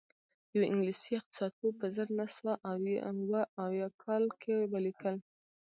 یوه انګلیسي اقتصاد پوه په زر نه سوه اووه اویا کال کې ولیکل